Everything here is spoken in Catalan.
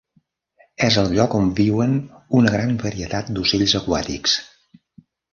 És el lloc on viuen una gran varietat d"ocells aquàtics.